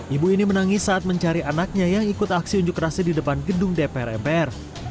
ibu ini menangis saat mencari anaknya yang ikut aksi unjuk rasa di depan gedung dpr mpr